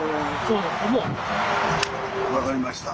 分かりました。